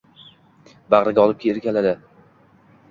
Bag'riga olib erkaladi.